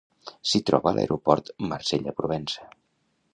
S'hi troba l'Aeroport Marsella-Provença.